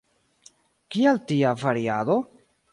Kial tia variado?